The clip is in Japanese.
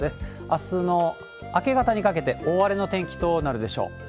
あすの明け方にかけて、大荒れの天気となるでしょう。